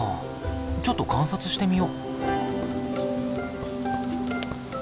ちょっと観察してみよ！